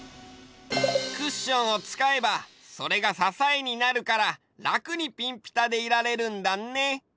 クッションをつかえばそれがささえになるかららくにピンピタでいられるんだね。